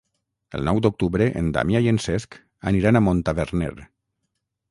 El nou d'octubre en Damià i en Cesc aniran a Montaverner.